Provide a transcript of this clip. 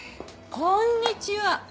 こんにちは。